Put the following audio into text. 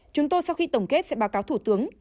chúng tôi sau khi tổng kết sẽ báo cáo thủ tướng